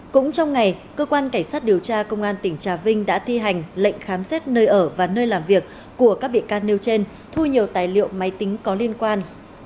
cũng trong ngày cơ quan cảnh sát điều tra công an tỉnh trà vinh đã thi hành lệnh khám xét nơi ở và nơi làm việc của các bị can nêu trên thu nhiều tài liệu máy tính có liên quan